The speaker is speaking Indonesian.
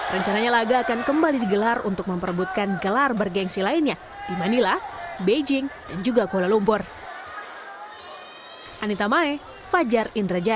rencananya laga akan kembali digelar untuk memperebutkan gelar bergensi lainnya di manila beijing dan juga kuala lumpur